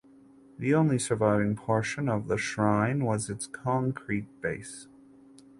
The only surviving portion of the shrine was its concrete base.